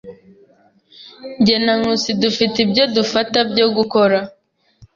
Jye na Nkusi dufite ibyo dufata byo gukora.